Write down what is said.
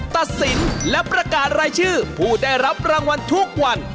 ตัดสินและประกาศรายชื่อผู้ได้รับรางวัลทุกวัน